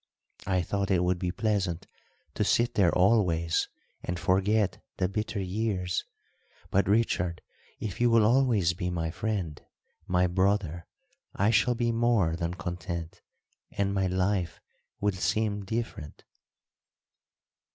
I thought it would be pleasant to sit there always and forget the bitter years. But, Richard, if you will always be my friend my brother, I shall be more than content, and my life will seem different."